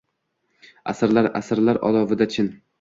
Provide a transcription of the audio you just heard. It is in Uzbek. Asrlar, asrlar olovida chin